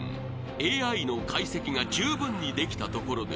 ＡＩの解析がじゅうぶんにできたところで］